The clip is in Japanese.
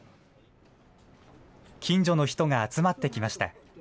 近所の人が集まってきました。